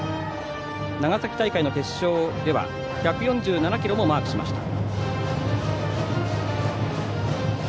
長崎大会の決勝では１４７キロもマークしました。